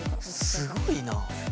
すごいなあ。